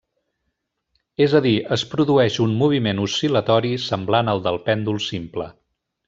És a dir, es produeix un moviment oscil·latori semblant al del pèndol simple.